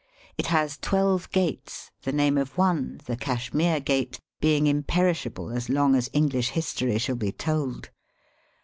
It has twelve gates, the name of one, the Cashmere Gate, being imperishable as long as EngUsh history shall be told.